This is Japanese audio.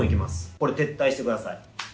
これ、撤退してください。